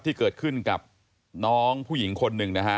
ที่เกิดขึ้นกับน้องผู้หญิงคนหนึ่งนะฮะ